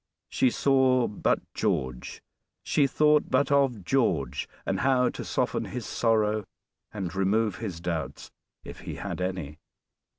She saw but George she thought but of George and how to soften his sorrow, and remove his doubts, if he had any.